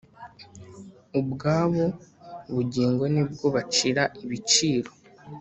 Ubwabo bugingo nibwo bacira ibiciro